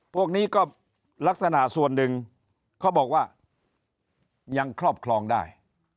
พวกนี้ก็ลักษณะส่วนหนึ่งเขาบอกว่ายังครอบครองได้